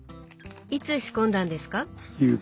いつ仕込んだんですか？